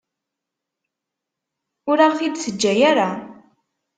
Ur aɣ-t-id-teǧǧa ara.